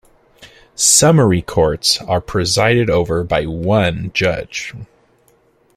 Summary Courts are presided over by one judge.